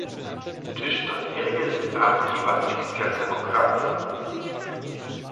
Czyż to nie jest prawdziwa fikcja demokracji?